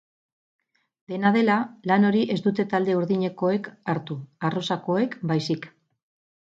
Dena dela, lan hori ez dute talde urdinekoek hartu, arrosakoek baizik.